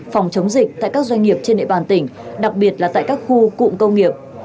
phòng chống dịch tại các doanh nghiệp trên địa bàn tỉnh đặc biệt là tại các khu cụm công nghiệp